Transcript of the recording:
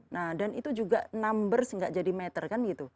nah dan itu juga numbers nggak jadi matter kan gitu